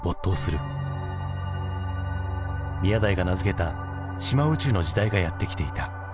宮台が名付けた島宇宙の時代がやってきていた。